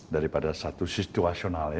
daripada satu situasional